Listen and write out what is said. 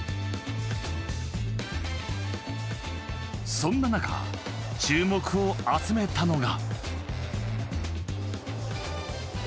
そんな中、注目を集めたのが。